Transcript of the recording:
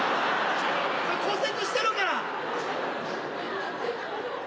それ骨折してるから。